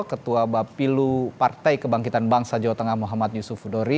ketua bapilu partai kebangkitan bangsa jawa tengah muhammad yusuf hudori